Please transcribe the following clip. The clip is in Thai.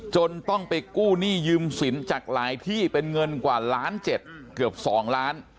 จนต้องไปกู้หนี้ยืมสินจากหลายที่เป็นเงินกว่าล้านเจ็ดเกือบ๒ล้าน